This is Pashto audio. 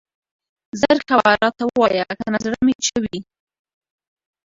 زر کوه راته ووايه کنه زړه مې چوي.